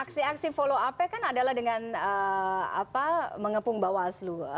aksi aksi follow up nya kan adalah dengan mengepung bawaslu